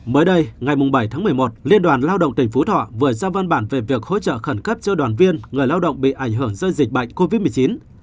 mới đây ngày bảy tháng một mươi một liên đoàn lao động tỉnh phú thọ vừa ra văn bản về việc hỗ trợ khẩn cấp cho đoàn viên người lao động bị ảnh hưởng do dịch bệnh covid một mươi chín